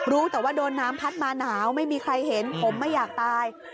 รู้แต่ว่าโดนน้ำพัดมาหนาวไม่มีใครเห็นผมไม่อยากตาย